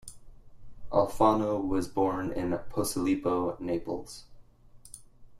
Alfano was born in Posillipo, Naples.